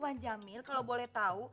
bang jamil kalau boleh tahu